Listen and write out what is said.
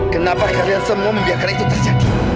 kenapa kalian semua membiarkan itu terjadi